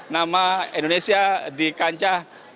nama indonesia di kancah